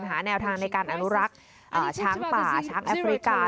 หาแนวทางในการอนุรักษ์ช้างป่าช้างแอฟริกา